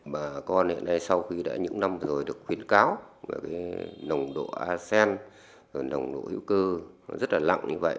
bà con hiện nay sau khi đã những năm rồi được khuyến cáo về nồng độ asean nồng độ hữu cơ rất là lặng như vậy